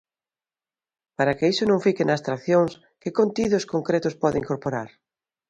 Para que iso non fique na abstracción, que contidos concretos pode incorporar?